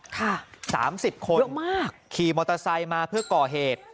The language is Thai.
๓๐คนคลีมอเตอร์ไซค์มาเพื่อก่อเหตุ